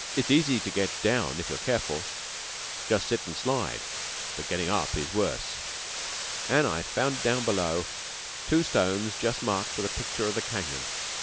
"It's easy to get down if you're careful just sit an' slide; but getting up is worse. An' I found down below there two stones just marked with a picture of the canyon.